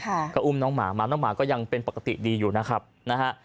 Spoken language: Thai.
ค่ะก็อุ้มน้องหมามาน้องหมาก็ยังเป็นปกติดีอยู่นะครับนะฮะ